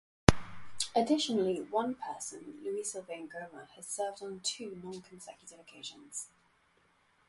Additionally, one person, Louis Sylvain Goma, has served on two non-consecutive occasions.